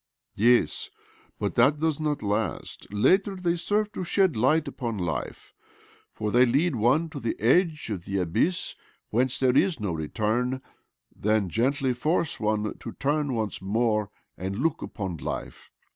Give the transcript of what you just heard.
" Yes ; but that does not last. Later they serve to shed light upon life, for they lead one to the edge of the abyss whence there is no return — then gently force one to turn once more and look upon life.